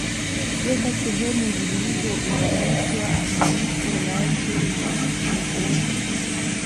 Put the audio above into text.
weka sehemu zinazounganisha andikko lako na wasikilizaji